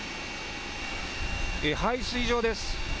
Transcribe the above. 排水場です。